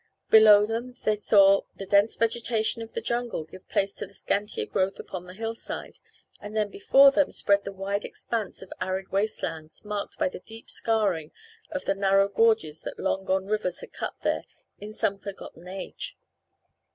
Below them they saw the dense vegetation of the jungle give place to the scantier growth upon the hillside, and then before them there spread the wide expanse of arid wastelands marked by the deep scarring of the narrow gorges that long gone rivers had cut there in some forgotten age.